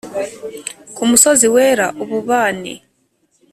ku musozi wera ububani.